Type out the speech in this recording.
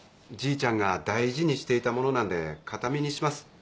じいちゃんが大事にしていたものなんで形見にします。